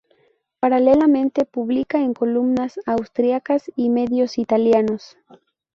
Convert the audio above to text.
Paralelamente publica en columnas austriacas y medios italianos.